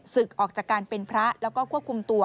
ออกจากการเป็นพระแล้วก็ควบคุมตัว